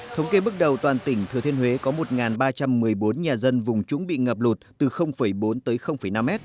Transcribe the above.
thống kê bước đầu toàn tỉnh thừa thiên huế có một ba trăm một mươi bốn nhà dân vùng trũng bị ngập lụt từ bốn tới năm m